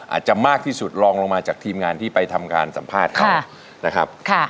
อาจจะมากที่สุดลองลงมาจากทีมงานที่ไปทำการสัมภาษณ์เขานะครับ